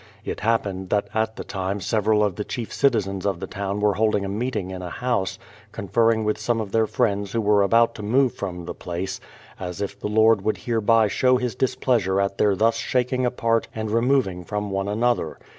It happened that at the time several of the chief citizens of the town were holding a meeting in a house, conferring with some of their friends who were about to move from the place — as if the Lord would hereby show His displeasure at their thus shaking apart and removing from one another.